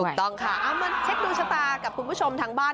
ถูกต้องค่ะเอามาเช็คดวงชะตากับคุณผู้ชมทางบ้าน